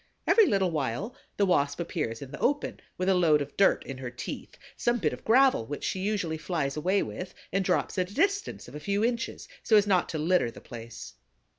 Every little while the Wasp appears in the open with a load of dirt in her teeth, some bit of gravel which she usually flies away with and drops at a distance of a few inches, so as not to litter the place.